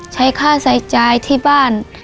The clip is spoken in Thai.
ใช้ค่าใช้จ่ายที่บ้าน